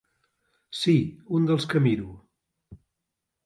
Sí, un dels que miro.